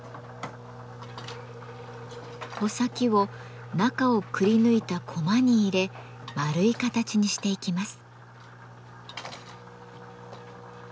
穂先を中をくりぬいたコマに入れ丸い形にしていきます。